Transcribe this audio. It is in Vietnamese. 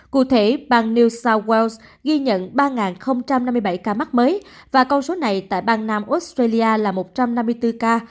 cụ thể bang new south wales ghi nhận ba năm mươi bảy ca mắc mới và con số này tại bang nam australia là một trăm năm mươi bốn ca